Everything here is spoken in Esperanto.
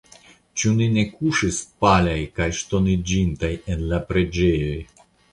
Ĉu ni ne kuŝis palaj kaj ŝtoniĝintaj en la preĝejoj ?